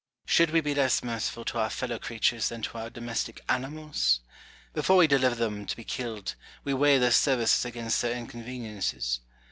Noble. Should we be less merciful to our fellow creatures than to our domestic animals 1 Before we deliver them to be killed, we weigh their services against their inconven iences.